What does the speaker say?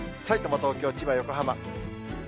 さいたま、東京、千葉、横浜。